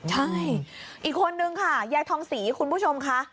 ใช่อีกคนนึงค่ะยายทองศรีคุณผู้ชมค่ะ